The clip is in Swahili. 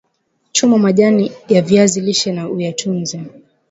chuma majani ya viazi lishe na uyatunze